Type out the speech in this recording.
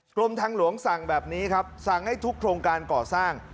กรมทางหลวงสั่งแบบนี้ครับสั่งให้ทุกโครงการก่อสร้าง